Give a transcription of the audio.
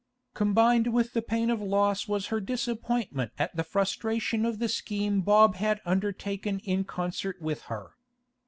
Combined with the pain of loss was her disappointment at the frustration of the scheme Bob had undertaken in concert with her.